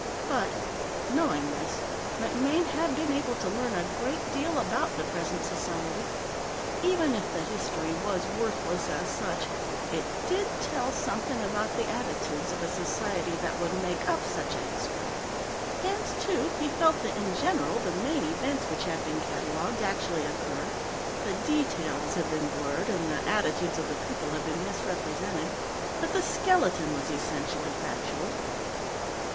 But, knowing this, MacMaine had been able to learn a great deal about the present society. Even if the "history" was worthless as such, it did tell something about the attitudes of a society that would make up such a history. And, too, he felt that, in general, the main events which had been catalogued actually occurred; the details had been blurred, and the attitudes of the people had been misrepresented, but the skeleton was essentially factual.